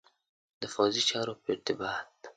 د پوځي چارو په ارتباط.